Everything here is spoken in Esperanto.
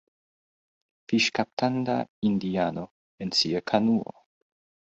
Fiŝkaptanta indiano en sia kanuo.